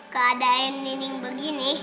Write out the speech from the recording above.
keadaan nih nih begini